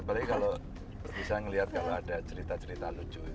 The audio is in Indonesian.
baru bisa ngelihat kalau ada cerita cerita lucu